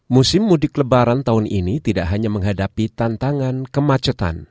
musim mudik lebaran tahun ini tidak hanya menghadapi tantangan kemacetan